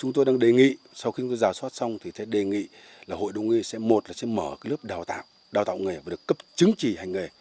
hội đồng y sẽ một là sẽ mở lớp đào tạo đào tạo nghề và được cấp chứng chỉ hành nghề